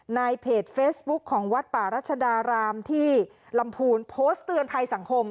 ในเพจเฟซบุ๊คของวัดป่ารัชดารามที่ลำพูนโพสต์เตือนภัยสังคม